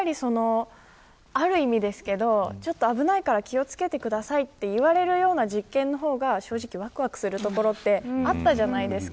ある意味、危ないから気を付けてくださいと言われるような実験の方が正直わくわくするところはあったじゃないですか。